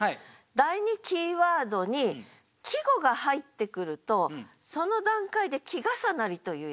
第２キーワードに季語が入ってくるとその段階で季重なりというやつになるんですね。